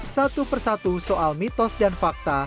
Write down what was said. satu persatu soal mitos dan fakta